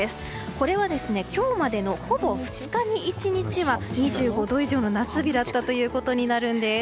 これは、今日までのほぼ２日に１日は２５度以上の夏日だったということになるんです。